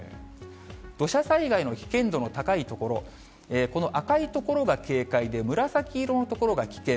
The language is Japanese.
土砂災害の危険度の高い所、この赤い所が警戒で、紫色の所が危険。